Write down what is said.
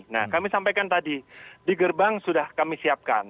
nah kami sampaikan tadi di gerbang sudah kami siapkan